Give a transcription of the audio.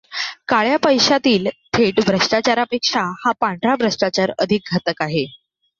काळ्या पैशातील थेट भ्रष्टाचारापेक्षा हा पांढरा भ्रष्टाचार अधिक घातक आहे.